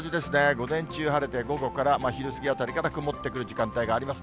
午前中晴れて、午後から、昼過ぎあたりから曇ってくる時間帯があります。